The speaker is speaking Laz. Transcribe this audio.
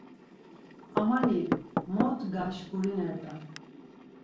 Amani mot gaşǩurinert̆an.